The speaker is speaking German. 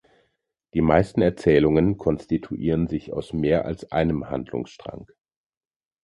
Die meisten Erzählungen konstituieren sich aus mehr als einem Handlungsstrang.